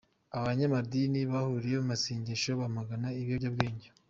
Abanyamadini bahuriye mu masengesho bamagana ibiyobyabwenge